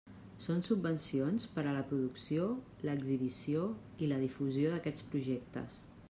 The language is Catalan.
Són subvencions per a la producció, l'exhibició i la difusió d'aquests projectes.